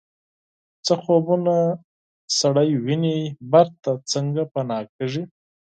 څه خوبونه سړی ویني بیرته څنګه پناه کیږي